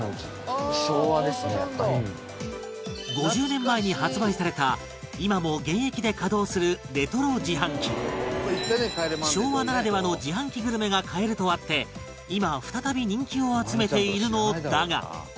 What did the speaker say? ５０年前に発売された今も現役で稼働するレトロ自販機昭和ならではの自販機グルメが買えるとあって今再び人気を集めているのだが